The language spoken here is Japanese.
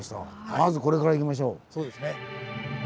まずこれから行きましょう。